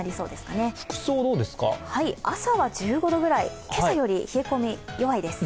朝は１５度ぐらい、今朝より冷え込み弱いです。